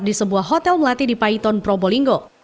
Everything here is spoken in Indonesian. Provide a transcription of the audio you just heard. di sebuah hotel melati di paiton probolinggo